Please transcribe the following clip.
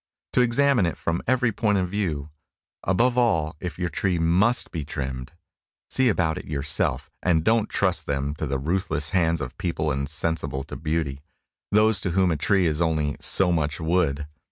To examine it from every point of view? Above all, if your trees must be trimmed, see about it yourself, and don't trust them to the ruthless hands of people insensible to beauty those to whom a tree is only so much wood!